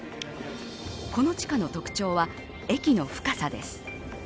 この地下の特徴は駅の深さです。